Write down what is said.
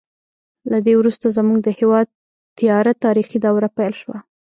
له دې وروسته زموږ د هېواد تیاره تاریخي دوره پیل شوه.